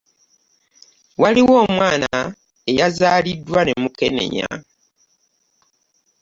Waliwo omwana eyazalidwa ne mukenenya.